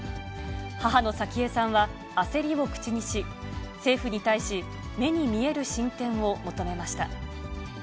母の早紀江さんは焦りを口にし、政府に対し、目に見える進展を求めました。